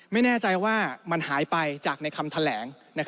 ไม่แน่ใจว่ามันหายไปจากในคำแถลง